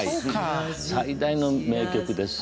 最大の名曲です。